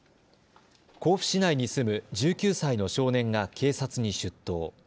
甲府市内に住む１９歳の少年が警察に出頭。